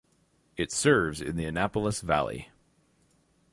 It serves in the Annapolis Valley.